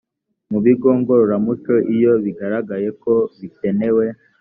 mu bigo ngororamuco iyo bigaragaye ko bikenewe